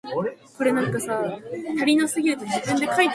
厚着をする